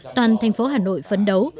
toàn thành phố hà nội phấn đấu